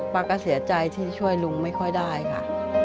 ป้าก็เสียใจที่ช่วยลุงไม่ค่อยได้ค่ะ